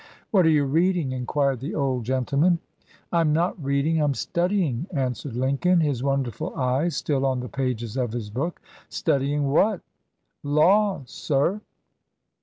"What are you reading?" inquired the old gentleman. "I'm not reading; I'm studying," answered Lincoln, his wonderful eyes still on the pages of his book. "Studying what?" "Law, sir."